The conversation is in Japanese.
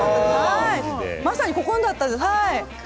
まさに、ここだったんですね。